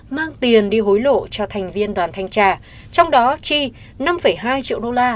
mang tiền đi hối lộ cho thành viên đoàn thanh tra trong đó chi năm hai triệu đô la